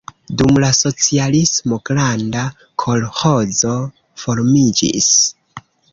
Dum la socialismo granda kolĥozo formiĝis.